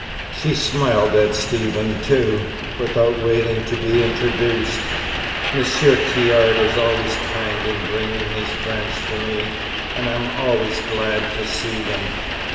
She smiled at Stephen, too, without waiting to be introduced. "Monsieur Caird is always kind in bringing his friends to me, and I am always glad to see them."